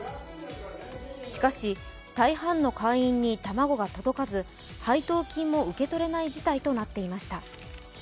しかし大半の会員に卵が届かず配当金も受け取れない事態となっていました。